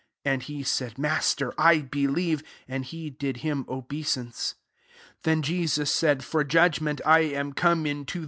38 And he said» " Master, I believe," And he did him obeisance. 39 Then Jesus said, « For judgment I am come into th!